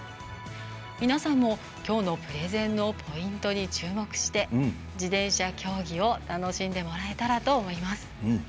皆さんも、きょうのプレゼンのポイントに注目して自転車競技を楽しんでもらえたらと思います。